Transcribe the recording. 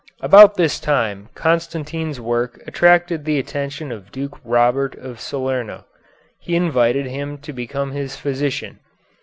About this time Constantine's work attracted the attention of Duke Robert of Salerno. He invited him to become his physician.